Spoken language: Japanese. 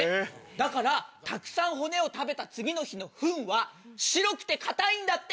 だからたくさん骨を食べた次の日のフンは白くて硬いんだって。